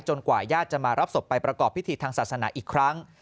กว่าญาติจะมารับศพไปประกอบพิธีทางศาสนาอีกครั้ง